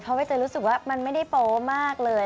เพราะใบเตยรู้สึกว่ามันไม่ได้โป๊มากเลย